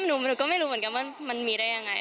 หนูก็ไม่รู้เหมือนกันว่ามันมีได้ยังไง